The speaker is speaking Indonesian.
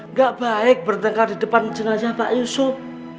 nggak baik bertengkar di depan jenazah pak yusuf